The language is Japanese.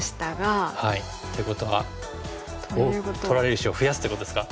っていうことは取られる石を増やすっていうことですか。